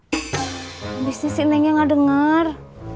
habis ini si nengnya gak denger